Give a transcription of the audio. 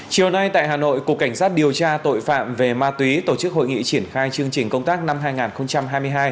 chiều nay tại hà nội cục cảnh sát điều tra tội phạm về ma túy tổ chức hội nghị triển khai chương trình công tác năm hai nghìn hai mươi hai